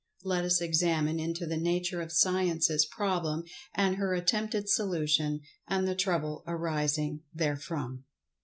Let us examine into the nature of Science's problem, and her attempted solution, and the trouble arising therefrom.